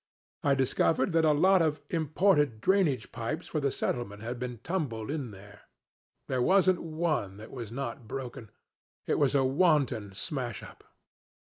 I discovered that a lot of imported drainage pipes for the settlement had been tumbled in there. There wasn't one that was not broken. It was a wanton smash up.